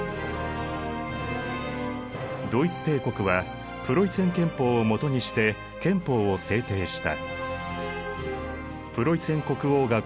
ドイツ帝国はプロイセン憲法を基にして憲法を制定した。